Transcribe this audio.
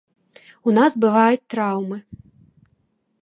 У нас бываюць траўмы.